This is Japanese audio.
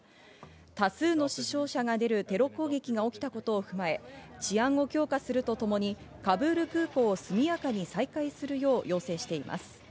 多数の死傷者が出るテロ攻撃が起きたことを踏まえ、治安を強化するとともにカブール空港を速やかに再開するよう要請しています。